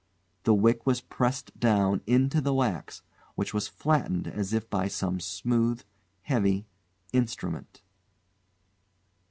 The wick was pressed down into the wax, which was flattened as if by some smooth, heavy instrument.